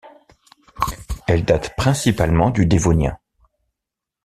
Elle date principalement du Dévonien.